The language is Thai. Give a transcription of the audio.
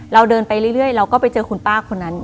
เราเดินไปเรื่อยเราก็ไปเจอคุณป้าคนนั้น